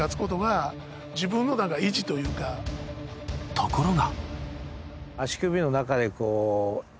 ところが。